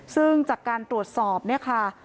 ซึ่งจากการตรวจสอบเนี่ยค่ะ